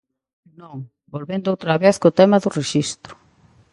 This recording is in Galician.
Non, volvendo outra vez co tema do Rexistro.